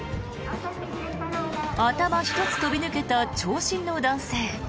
頭一つ飛び抜けた長身の男性。